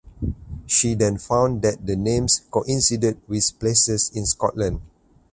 She then found that the names coincided with places in Scotland.